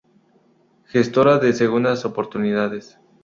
Gestora de segundas oportunidades.